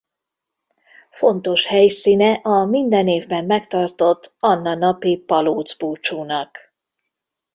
Fontos helyszíne a minden évben megtartott Anna-napi palóc búcsúnak.